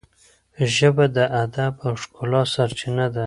ژبه د ادب او ښکلا سرچینه ده.